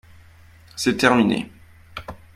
C’est terminé